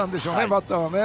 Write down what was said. バッターはね。